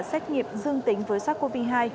xét nghiệp dương tính với sars cov hai